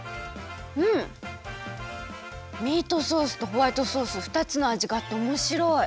うんミートソースとホワイトソースふたつのあじがあっておもしろい！